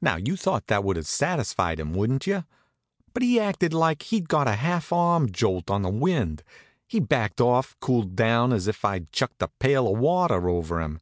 Now you'd thought that would have satisfied him, wouldn't you? But he acted like he'd got a half arm jolt on the wind. He backed off and cooled down as if I'd chucked a pail of water over him.